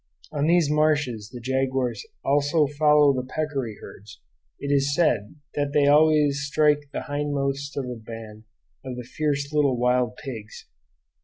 On these marshes the jaguars also followed the peccary herds; it is said that they always strike the hindmost of a band of the fierce little wild pigs.